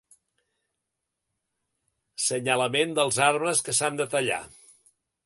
Senyalament dels arbres que s'han de tallar.